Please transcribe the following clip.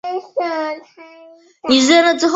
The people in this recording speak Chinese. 该片拍摄于山西省长治市平顺县通天峡风景区。